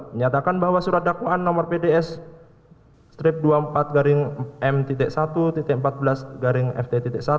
dua menyatakan bahwa surat dakwaan nomor pds dua puluh empat m satu empat belas ft satu enam dua ribu dua puluh tiga